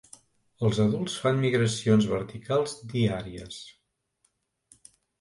Els adults fan migracions verticals diàries.